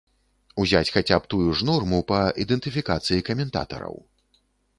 Узяць хаця б тую ж норму па ідэнтыфікацыі каментатараў.